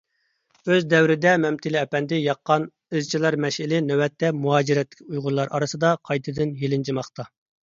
ئۆز دەۋرىدە مەمتىلى ئەپەندى ياققان «ئىزچىلار مەشئىلى» نۆۋەتتە مۇھاجىرەتتىكى ئۇيغۇرلار ئارىسىدا قايتىدىن يېلىنجىماقتا.